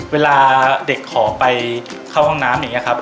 เวลาเด็กขอไปเข้าห้องน้ำอย่างนี้ครับ